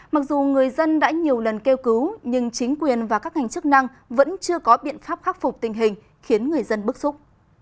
mặc dù người dân đã nhiều lần kêu cứu nhưng chính quyền và các ngành chức năng vẫn chưa có biện pháp khắc phục tình hình khiến người dân bức xúc